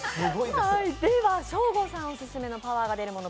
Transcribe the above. ショーゴさんオススメのパワーが出るもの